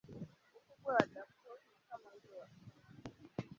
Ukubwa wa Darfur ni kama ule wa Ufaransa.